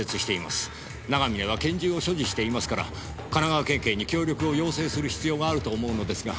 長嶺は拳銃を所持していますから神奈川県警に協力を要請する必要があると思うのですが。